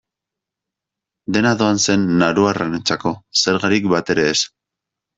Dena doan zen nauruarrentzako, zergarik batere ez.